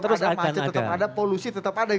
ada macet tetap ada polusi tetap ada